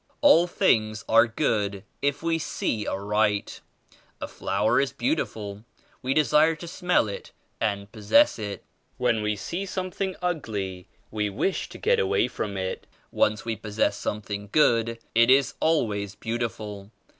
'" "All things are good if we see aright. A flower is beautiful; we desire to smell it and possess it. When we see something ugly we wish to get away from it. Once we possess something good, it is always beautiful.